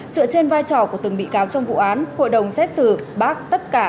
dựa trên vai trò của từng bị cáo trong vụ án hội đồng xét xử bác tất cả